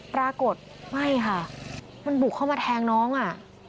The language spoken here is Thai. ปรากฏไม่ค่ะมันบุกเข้ามาแทงน้องอ่ะ